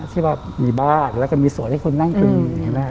ที่ว่ามีบ้านแล้วก็มีสวนให้คุณนั่งกิน